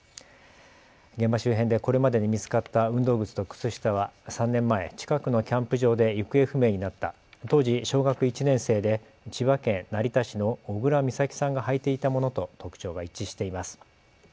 現場周辺でこれまでに見つかった運動靴と靴下は３年前、近くのキャンプ場で行方不明になった当時、小学１年生で千葉県成田市の小倉美咲さんが履いていたものと特徴が一致しています。